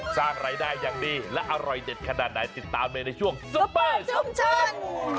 สร้างรายได้อย่างดีและอร่อยเด็ดขนาดไหนติดตามเลยในช่วงซุปเปอร์ชุมชน